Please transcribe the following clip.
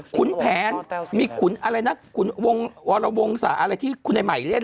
ขุนแผนมีขุนอะไรนะขุนวงวรวงศาอะไรที่คุณไอ้ใหม่เล่น